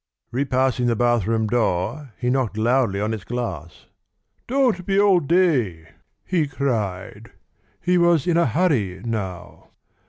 Repassing the bathroom door, he knocked loudly on its glass. "Don't be all day!" he cried. He was in a hurry now.